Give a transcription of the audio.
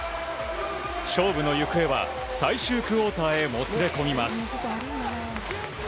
勝負の行方は、最終クオーターへもつれ込みます。